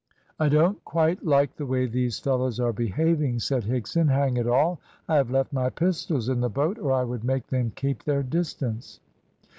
"I don't quite like the way these fellows are behaving," said Higson. "Hang it all! I have left my pistols in the boat, or I would make them keep their distance."